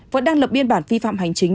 vẫn đang lập biên bản phi phạm hành chính